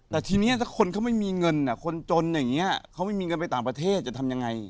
แต่ทีนี้ถ้าคนเขาไม่มีเงินคนจนอย่างนี้เขาไม่มีเงินไปต่างประเทศจะทำยังไง